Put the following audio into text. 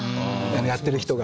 やっている人が。